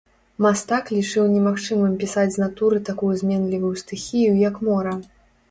Мастак лічыў немагчымым пісаць з натуры такую зменлівую стыхію, як мора.